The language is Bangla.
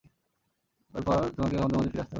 এরপর, তোমাকে আমাদের মাঝে ফিরে আসতে হবে।